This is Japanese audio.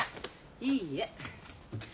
いいえ。